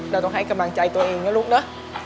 เราต้องให้กำลังใจตัวเองนะลูกเนอะ